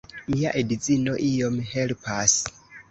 Mia edzino iom helpas.